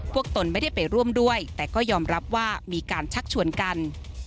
ตนไม่ได้ไปร่วมด้วยแต่ก็ยอมรับว่ามีการชักชวนกัน